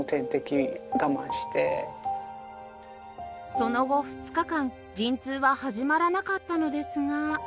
その後２日間陣痛は始まらなかったのですが